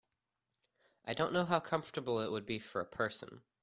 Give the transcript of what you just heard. I don’t know how comfortable it would be for a person.